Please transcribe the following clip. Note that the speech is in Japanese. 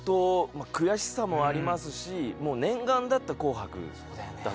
まぁ悔しさもありますし念願だった『紅白』だったので。